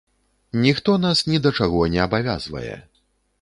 Ніхто нас ні да чаго не абавязвае.